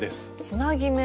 つなぎ目？